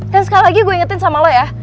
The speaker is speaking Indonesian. dan sekali lagi gue ingetin sama lu ya